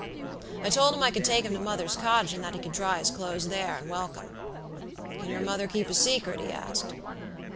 "I told him I could take him to mother's cottage, and that he could dry his clothes there and welcome. "'Can your mother keep a secret?' he asked.